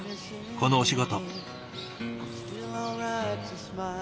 このお仕事。